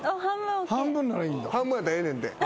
半分やったらええねんて。